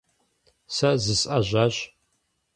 Сэ зысӀэжьащ.